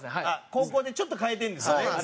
高校でちょっと変えてるんですよね。